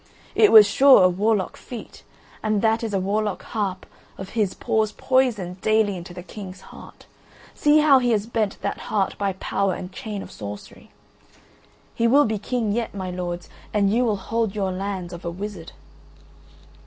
It was sure a warlock feat, and that is a warlock harp of his pours poison daily into the King's heart. See how he has bent that heart by power and chain of sorcery! He will be king yet, my lords, and you will hold your lands of a wizard."